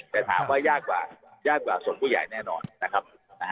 แต่ถามว่ายากกว่ายากกว่าส่วนผู้ใหญ่แน่นอนนะครับ